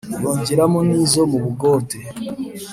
yongeramo n’izo mu bugote